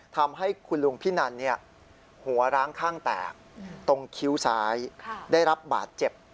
ทำให้คุณลุงพินันหัวร้างข้างแตกตรงคิ้วซ้ายได้รับบาดเจ็บ